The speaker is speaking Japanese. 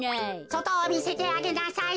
そとをみせてあげなさい。